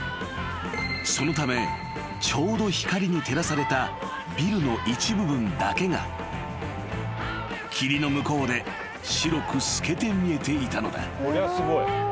［そのためちょうど光に照らされたビルの一部分だけが霧の向こうで白く透けて見えていたのだ］